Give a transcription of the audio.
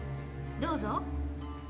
どうぞ。